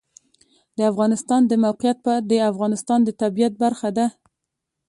د افغانستان د موقعیت د افغانستان د طبیعت برخه ده.